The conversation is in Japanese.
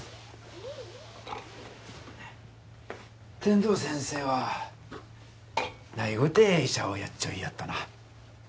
天堂先生はないごて医者をやっちょいやっとな？